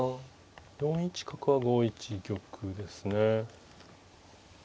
４一角は５一玉ですね。